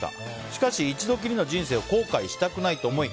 しかし、一度きりの人生を後悔したくないと思い